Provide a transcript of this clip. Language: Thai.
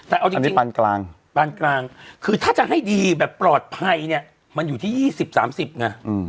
อันนี้ปานกลางคือถ้าจะให้ดีแบบปลอดภัยเนี่ยมันอยู่ที่๒๐๓๐นะ